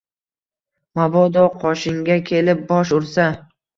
Mabodo qoshingga kelib bosh ursa